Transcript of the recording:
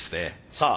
さあ